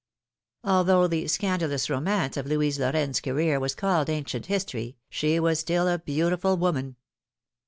Although the scandalous romance of Louise Lorraine's career was called ancient history, she was still a beautiful woman.